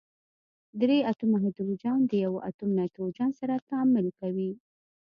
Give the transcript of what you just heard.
درې اتومه هایدروجن د یوه اتوم نایتروجن سره تعامل کوي.